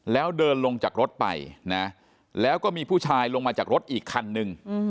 แล้วเดินลงจากรถไปนะแล้วก็มีผู้ชายลงมาจากรถอีกคันนึง